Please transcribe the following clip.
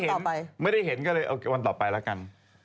จะมาวันต่อไปไม่ได้เห็นเพราะจะเอาวันต่อไปแล้วกัน